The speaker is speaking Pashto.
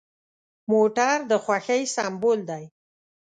موټر د خوښۍ سمبول دی.